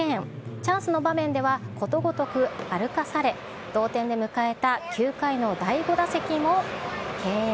チャンスの場面では、ことごとく歩かされ、同点で迎えた９回の第５打席も敬遠。